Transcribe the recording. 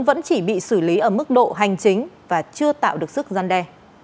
vẫn chỉ bị xử lý ở mức độ hành chính và chưa tạo được sức gian đe